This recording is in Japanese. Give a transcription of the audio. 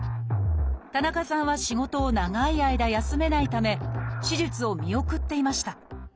田中さんは仕事を長い間休めないため手術を見送っていました。